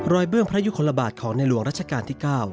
เบื้องพระยุคลบาทของในหลวงรัชกาลที่๙